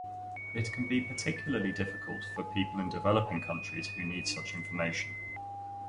It can be particularly difficult for people in developing countries who need such information.